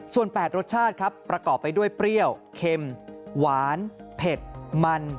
ส่วน๘รสชาติครับประกอบไปด้วยเปรี้ยวเค็มหวานเผ็ดมัน